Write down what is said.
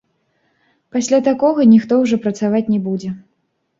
Пасля такога ніхто ўжо працаваць не будзе.